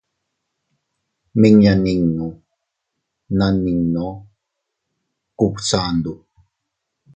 Miña ninnu na nino Kubsandu.